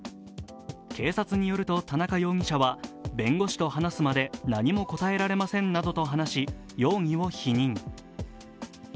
警察によると田中容疑者は弁護士と話すまで何も答えられませんなどと話し、容疑を否認。